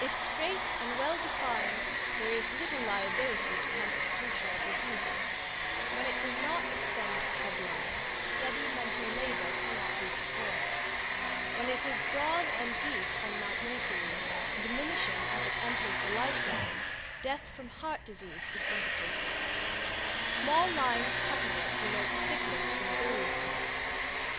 If straight and well defined, there is little liability to constitutional diseases; when it does not extend to Head Line, steady mental labor cannot be performed; when it is broad and deep on Mount Mercury, diminishing as it enters the Life Line, death from heart disease is indicated; small lines cutting it denote sickness from biliousness.